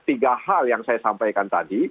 tiga hal yang saya sampaikan tadi